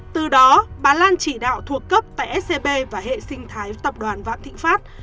từ đó bà lan chỉ đạo thuộc cấp tại scb và hệ sinh thái tập đoàn vạn thịnh pháp